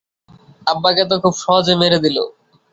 আব্বা কে তো খুব সহজে মেরে দিলে।